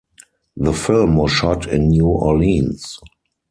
The film was shot in New Orleans.